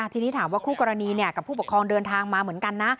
ทีนี้ถามว่าคู่กรณีกับผู้ปกครองเดินทางมาเหมือนกันนะ